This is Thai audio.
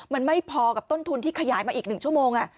มันไม่พอกับต้นทุนที่ขยายมาอีก๑ชั่วโมง